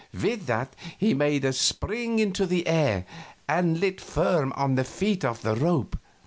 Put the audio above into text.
With that he made a spring into the air and lit firm on his feet on the rope.